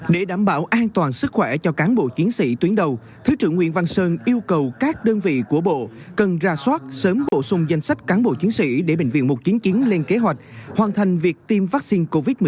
để đảm bảo an toàn sức khỏe cho cán bộ chiến sĩ tuyến đầu thứ trưởng nguyễn văn sơn yêu cầu các đơn vị của bộ cần ra soát sớm bổ sung danh sách cán bộ chiến sĩ để bệnh viện một trăm chín mươi chín lên kế hoạch hoàn thành việc tiêm vaccine covid một mươi chín